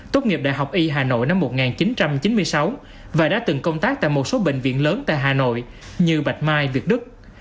tốt nghiệp đại học y hà nội năm một nghìn chín trăm chín mươi sáu và đã từng công tác tại một số bệnh viện lớn tại hà nội như bạch mai việt đức